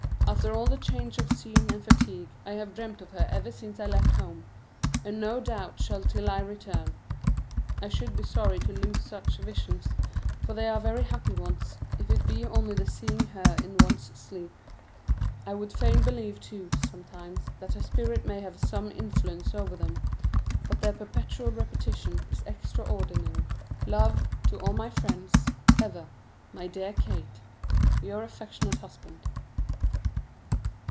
After all the change of scene and fatigue, I have dreamt of her ever since I left home, and no doubt shall till I return. I should be sorry to lose such visions, for they are very happy ones, if it be only the seeing her in one's sleep. I would fain believe, too, sometimes, that her spirit may have some influence over them, but their perpetual repetition is extraordinary. Love to all friends. Ever, my dear Kate, Your affectionate Husband.